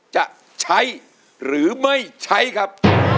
จะใช้หรือไม่ใช้ครับ